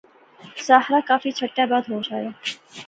ساحرہ کافی چھٹے بعد ہوش آیا